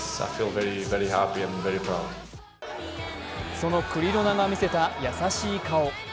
そのクリロナが見せた優しい顔。